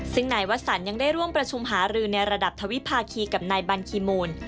ซึ่งนายวสันยังได้ร่วมประชุมหารือในระดับทวิภาคีกับนายบัญคีมูล